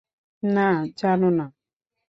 না, জান না।